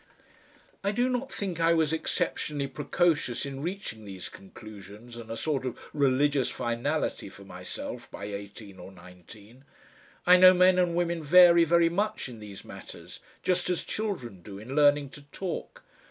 I do not think I was exceptionally precocious in reaching these conclusions and a sort of religious finality for myself by eighteen or nineteen. I know men and women vary very much in these matters, just as children do in learning to talk.